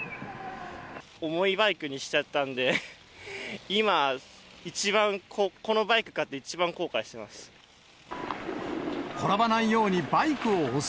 重いバイクにしちゃったんで、今、一番、このバイク買って一番後悔してます。